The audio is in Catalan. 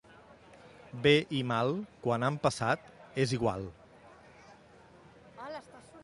Bé i mal, quan han passat, és igual.